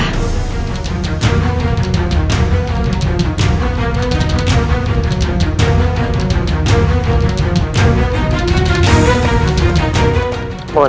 mohon abu nimas